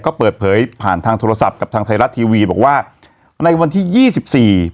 ก็เปิดเผยผ่านทางโทรศัพท์กับทางไทยรัฐทีวีบอกว่าในวันที่ยี่สิบสี่